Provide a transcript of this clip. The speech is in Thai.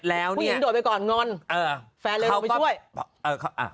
แล้วเนี้ยผู้หญิงโดดไปก่อนงอนเออแฟนเลยลงไปช่วยเอออ่า